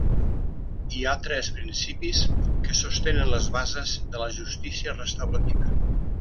Hi ha tres principis que sostenen les bases de la justícia restaurativa.